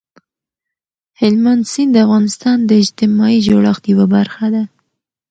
هلمند سیند د افغانستان د اجتماعي جوړښت یوه برخه ده.